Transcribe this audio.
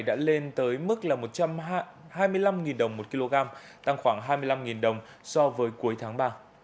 đã lên tới mức là một trăm hai mươi năm đồng một kg tăng khoảng hai mươi năm đồng so với cuối tháng ba